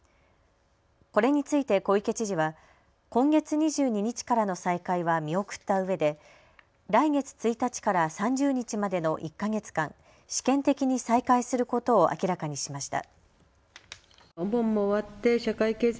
これについて小池知事は今月２２日からの再開は見送ったうえで来月１日から３０日までの１か月間、試験的に再開することを明らかにしました。